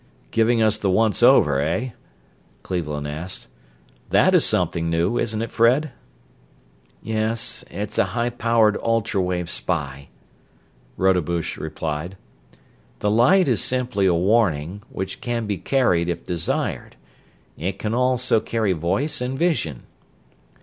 "Giving us the once over, eh?" Cleveland asked. "That is something new, isn't it, Fred?" "Yes, it's a high powered ultra wave spy," Rodenbush returned. "The light is simply a warning, which can be carried if desired. It can also carry voice and vision...."